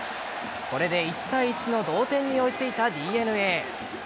これで１対１の同点に追いついたＤｅＮＡ。